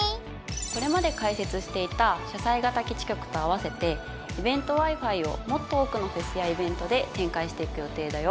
これまで開設していた車載型基地局と合わせてイベントＷｉ−Ｆｉをもっと多くのフェスやイベントで展開していく予定だよ